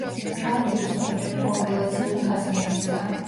ჩართული ზღაპრები კომპილაციური ხასიათისაა.